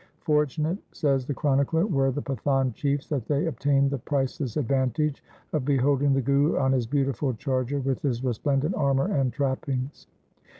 Fortunate, says the chronicler, were the Pathan chiefs that they obtained the price less advantage of beholding the Guru on his beautiful charger with his resplendent armour and trappings.